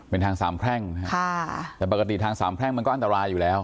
เป็นทางสามแพร่งแต่ปกติทางสามแพร่งมันก็อันตรายอยู่แล้ว